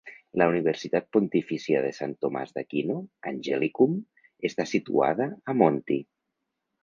La Universitat Pontifícia de Sant Tomàs d'Aquino, "Angelicum", està situada a "Monti".